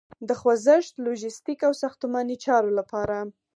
د خوځښت، لوژستیک او ساختماني چارو لپاره